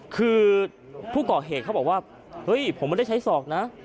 คือผู้ก่อเหตุเขาบอกว่าเฮ้ยผมไม่ได้ใช้ศอกนะ